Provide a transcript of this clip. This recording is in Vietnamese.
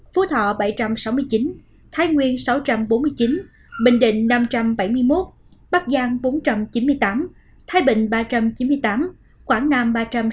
phú thọ bảy trăm sáu mươi chín thái nguyên sáu trăm bốn mươi chín bình định năm trăm bảy mươi một bắc giang bốn trăm chín mươi tám thái bình ba trăm chín mươi tám quảng nam ba trăm hai mươi chín